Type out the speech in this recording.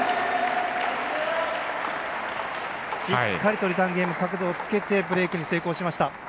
しっかりとリターンゲーム角度をつけてブレークに成功しました。